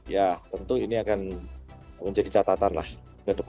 ya tentu ini akan menjadi catatanlah ke depan seperti apa